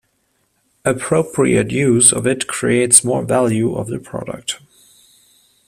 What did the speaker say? Appropriate use of it creates more value of the product.